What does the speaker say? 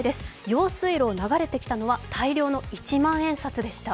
用水路を流れてきたのは大量の一万円札でした。